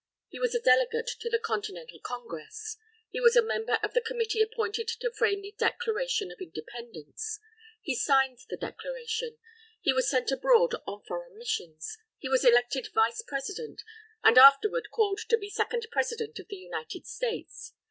He was a delegate to the Continental Congress. He was a member of the Committee appointed to frame the Declaration of Independence. He signed the Declaration. He was sent abroad on foreign missions. He was elected Vice President, and afterward called to be second President of the United States.